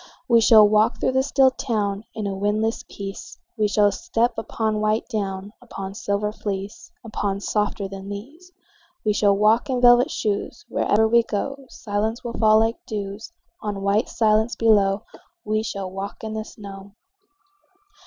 We shall walk through the still town In a windless peace; We shall step upon white down, Upon silver fleece, Upon softer than these. We shall walk in velvet shoes: Wherever we go Silence will fall like dews On white silence below. We shall walk in the snow.